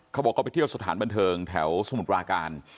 เขาบอกเขาไปเที่ยวสถานบันเทิงแถวสมุทรปราการ